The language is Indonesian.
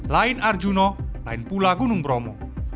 lain arjuna lain pula gunung bromo